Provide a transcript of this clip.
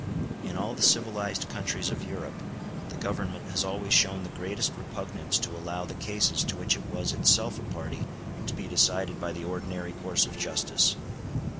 In all the civilized countries of Europe the Government has always shown the greatest repugnance to allow the cases to which it was itself a party to be decided by the ordinary course of justice.